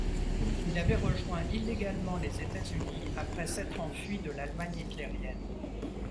Il avait rejoint illégalement les États-Unis après s'être enfui de l'Allemagne hitlérienne.